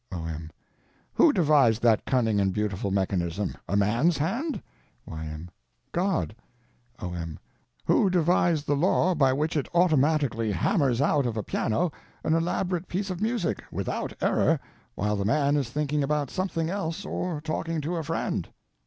O.M. Who devised that cunning and beautiful mechanism, a man's hand? Y.M. God. O.M. Who devised the law by which it automatically hammers out of a piano an elaborate piece of music, without error, while the man is thinking about something else, or talking to a friend?